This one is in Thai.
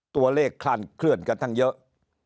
ตัวเลขคลั่นเคลื่อนกันทั้งเยอะ